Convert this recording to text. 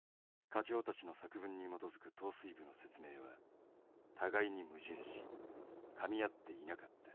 課長たちの作文に基づく統帥部の説明は互いに矛盾しかみ合っていなかった。